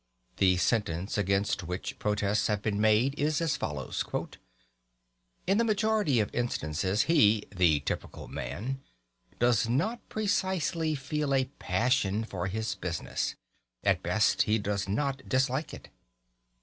The sentence against which protests have been made is as follows: "In the majority of instances he [the typical man] does not precisely feel a passion for his business; at best he does not dislike it.